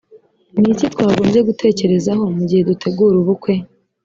ni iki twagombye gutekerezaho mu gihe dutegura ubukwe?